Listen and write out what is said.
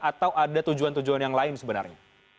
atau ada tujuan tujuan yang lain sebenarnya